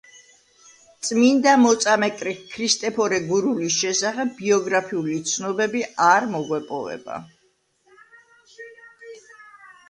წმინდა მოწამე ქრისტეფორე გურულის შესახებ ბიოგრაფიული ცნობები არ მოგვეპოვება.